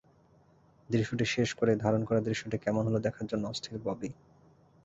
দৃশ্যটি শেষ করেই ধারণ করা দৃশ্যটি কেমন হলো দেখার জন্য অস্থির ববি।